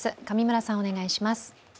上村さん、お願いします。